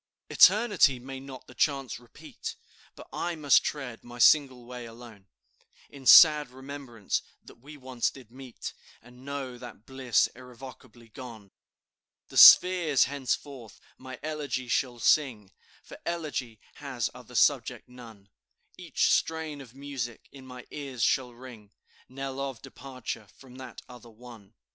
"Eternity may not the chance repeat, But I must tread my single way alone, In sad remembrance that we once did meet, And know that bliss irrevocably gone. "The spheres henceforth my elegy shall sing, For elegy has other subject none; Each strain of music in my ears shall ring Knell of departure from that other one.